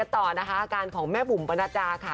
ต่อนะคะอาการของแม่บุ๋มปรณจาค่ะ